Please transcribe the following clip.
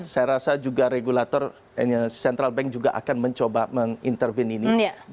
saya rasa juga regulator central bank juga akan mencoba menginterven ini